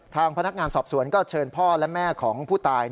ทางพนักงานสอบสวนก็เชิญพ่อและแม่ของผู้ตาย